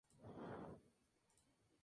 Trabaja en asociación con Joan Roig.